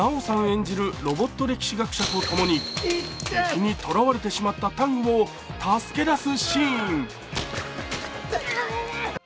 演じるロボット歴史学者とともに、敵に捕らわれてしまったタングを助け出すシーン。